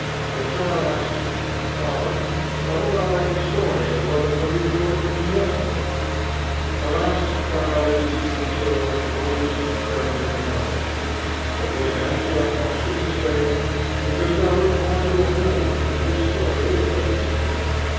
The child asks, 'Mamma, why don't I like the story as well as when you told it me yesterday?' Alas! child it is even so with the oldest cherubim of knowledge. But will it answer thy question to say, Because thou wert born to a whole and this story is a particular?